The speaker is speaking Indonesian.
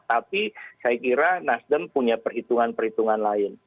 tapi saya kira nasdem punya perhitungan perhitungan lain